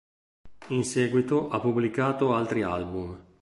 In seguito ha pubblicato altri album.